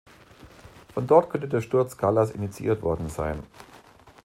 Von dort könnte der Sturz Gallas initiiert worden sein.